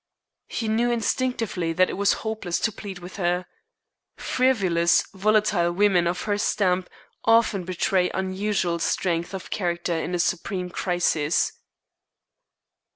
He knew instinctively that it was hopeless to plead with her. Frivolous, volatile women of her stamp often betray unusual strength of character in a supreme crisis.